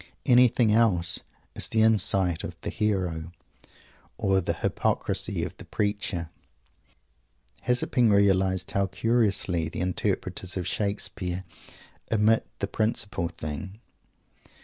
Anything else is the insight of the hero, or the hypocrisy of the preacher! Has it been realized how curiously the interpreters of Shakespeare omit the principal thing?